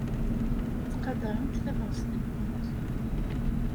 Ttqadarent tabɣest-nwent.